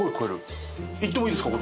行ってもいいですか？